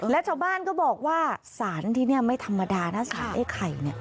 และชาวบ้านก็บอกว่าสถานที่นั่นไม่ธรรมดา